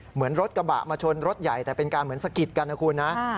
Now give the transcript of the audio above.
เหมือนรถกระบะมาชนรถใหญ่แต่เป็นการเหมือนสะกิดกันนะคุณนะ